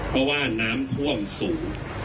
เพราะว่าน้ำท่วมสูง